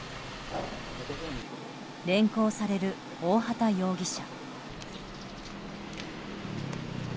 連行される大畑容疑者。